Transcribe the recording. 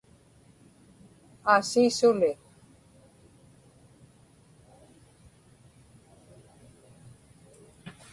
aasii suli